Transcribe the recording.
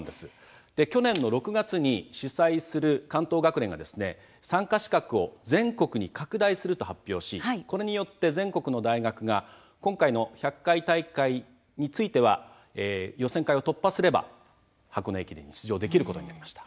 去年の６月に主催する関東学連が参加資格を全国に拡大すると発表しこれによって全国の大学が今回の１００回大会については予選会を突破すれば箱根駅伝に出場できることになりました。